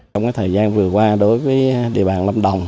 trong thời gian vừa qua đối với địa bàn lâm đồng